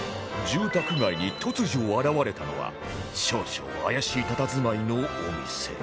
住宅街に突如現れたのは少々怪しい佇まいのお店